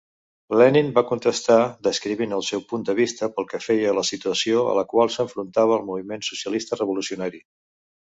Lenin va contestar, descrivint el seu punt de vista pel que feia a la situació a la qual s'enfrontava el moviment socialista revolucionari.